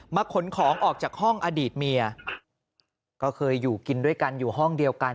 ขนของออกจากห้องอดีตเมียก็เคยอยู่กินด้วยกันอยู่ห้องเดียวกัน